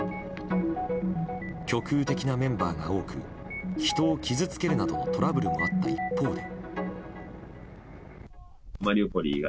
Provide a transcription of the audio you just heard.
極右的なメンバーが多く人を傷つけるなどのトラブルもあった一方で。